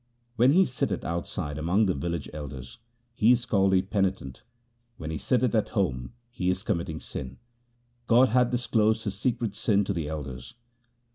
When he sitteth outside among the village elders he is called a penitent ; when he sitteth at home he is committing sin ; God hath disclosed his secret sin to the elders.